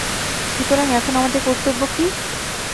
সুতরাং এখন আমাদের কর্তব্য কী?